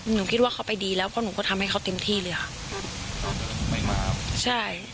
หนูคิดว่าเขาไปดีแล้วเพราะหนูก็ทำให้เขาเต็มที่เลยอะ